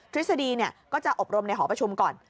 ทฤษฎีก็จะอบรมในหอประชุมก่อน